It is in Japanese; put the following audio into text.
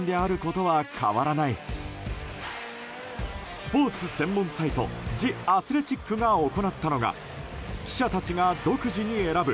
スポーツ専門サイトジ・アスレチックが行ったのが記者たちが独自に選ぶ